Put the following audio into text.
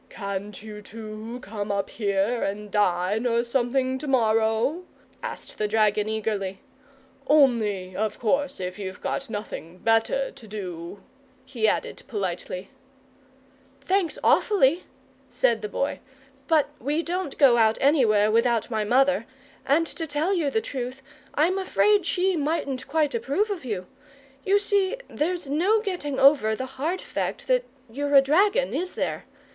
"Can't you two come up here and dine or something to morrow?" asked the dragon eagerly. "Only, of course, if you've got nothing better to do," he added politely. "Thanks awfully," said the Boy, "but we don't go out anywhere without my mother, and, to tell you the truth, I'm afraid she mightn't quite approve of you. You see there's no getting over the hard fact that you're a dragon, is there?